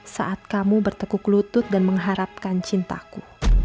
saat kamu bertekuk lutut dan mengharapkan cintaku